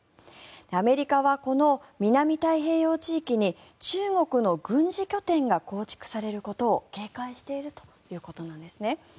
アメリカはこの南太平洋地域に中国の軍事拠点が構築されることを警戒しているということなんです。